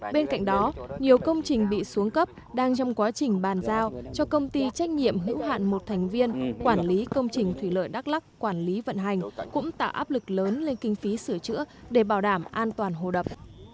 bên cạnh đó nhiều công trình bị xuống cấp đang trong quá trình bàn giao cho công ty trách nhiệm hữu hạn một thành viên quản lý công trình thủy lợi đắk lắc quản lý vận hành cũng tạo áp lực lớn lên kinh phí sửa chữa để bảo đảm an toàn hồ đập